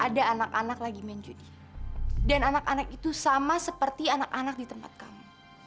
dan anak anak itu sama seperti anak anak di tempat kamu